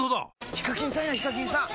ヒカキンさんやヒカキンさん！